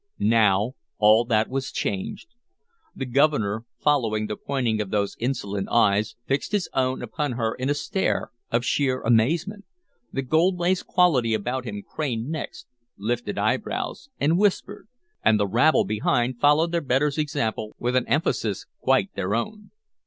Now all that was changed. The Governor, following the pointing of those insolent eyes, fixed his own upon her in a stare of sheer amazement; the gold laced quality about him craned necks, lifted eyebrows, and whispered; and the rabble behind followed their betters' example with an emphasis quite their own.